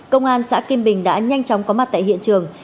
công an xã kim bình đã nhanh chóng có mặt tại hiện trường